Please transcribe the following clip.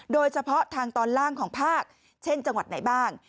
โดยเฉพาะทางตอนล่างของภาคเช่นจังหวัดไหนบ้าง